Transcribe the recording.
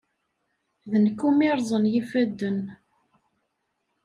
D nekk umi rrẓen yifadden.